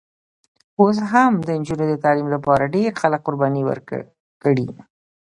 اوس هم د نجونو د تعلیم لپاره ډېر خلک قربانۍ ورکړي.